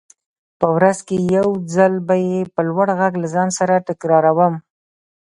په ورځ کې يو ځل به يې په لوړ غږ له ځان سره تکراروم.